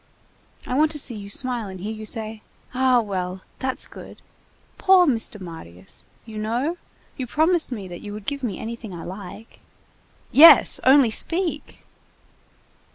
I want to see you smile and hear you say: 'Ah, well, that's good.' Poor Mr. Marius! you know? You promised me that you would give me anything I like—" "Yes! Only speak!"